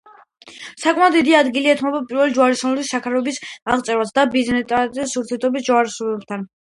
საკმაოდ დიდი ადგილი ეთმობა პირველი ჯვაროსნული ლაშქრობის აღწერასა და ბიზანტიის ურთიერთობებს ჯვაროსნებთან.